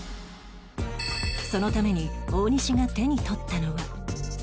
そのために大西が手に取ったのは